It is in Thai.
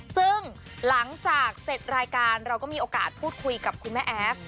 ซึ่งหลังจากเสร็จรายการเราก็มีโอกาสพูดคุยกับคุณแม่แอฟ